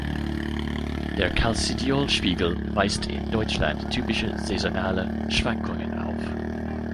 Der Calcidiol-Spiegel weist in Deutschland typische saisonale Schwankungen auf.